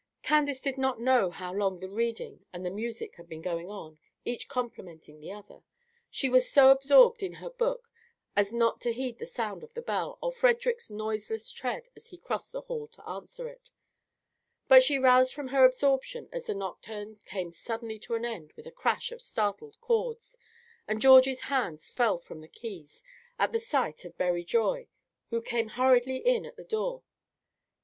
Candace did not know how long the reading and the music had been going on, each complementing the other. She was so absorbed in her book as not to heed the sound of the bell or Frederic's noiseless tread as he crossed the hall to answer it; but she roused from her absorption as the nocturne came suddenly to an end with a crash of startled chords, and Georgie's hands fell from the keys, at the sight of Berry Joy, who came hurriedly in at the door.